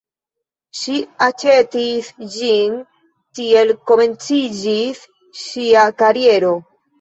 Ŝi aĉetis ĝin, tiel komenciĝis ŝia kariero.